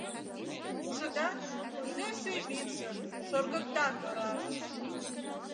Ужыда, кузе ший вӱдшӧ Шыргыкта тораш.